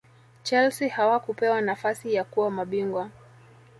chelsea hawakupewa nafasi ya kuwa mabingwa